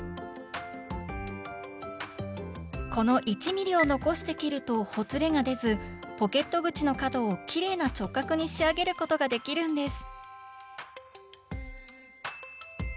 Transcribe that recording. この１ｍｍを残して切るとほつれが出ずポケット口の角をきれいな直角に仕上げることができるんです！